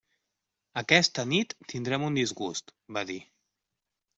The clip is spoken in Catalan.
«Aquesta nit tindrem un disgust», va dir.